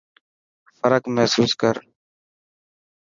فرق محسوس ڪر.